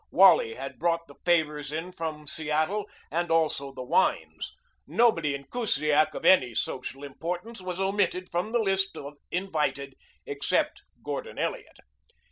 Wally had brought the favors in from Seattle and also the wines. Nobody in Kusiak of any social importance was omitted from the list of invited except Gordon Elliot.